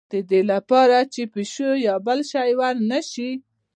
د دې لپاره چې پیشو یا بل شی ور نه شي.